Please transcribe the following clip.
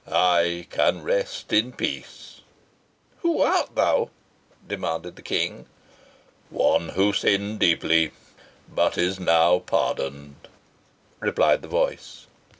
"I can rest in peace.". "Who art thou?" demanded the King. "One who sinned deeply, but is now pardoned," replied the voice.